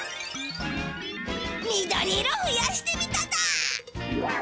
緑色ふやしてみただ！